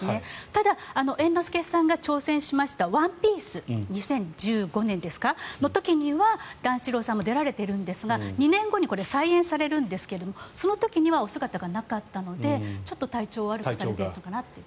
ただ、猿之助さんが挑戦しました「ワンピース」２０１５年の時には段四郎さんも出られているんですが２年後に再演されるんですがその時にはお姿がなかったので、体調を悪くされているのかなっていう。